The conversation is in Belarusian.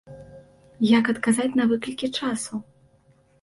Як адказаць на выклікі часу?